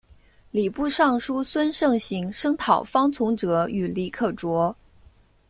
礼部尚书孙慎行声讨方从哲与李可灼。